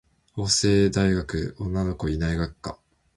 法政大学女の子いない学科